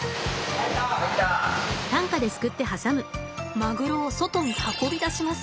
マグロを外に運び出します。